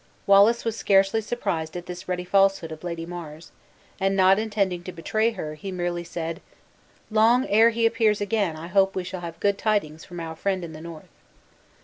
Wallace was scarcely surprised at this ready falsehood of Lady Mar's, and, not intending to betray her, he merely said, "Long ere be appears again I hope we shall have good tidings from our friend in the north."